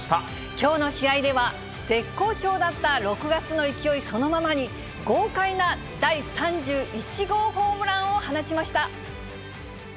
きょうの試合では絶好調だった６月の勢いそのままに、豪快な第３１号ホームランを放ちました。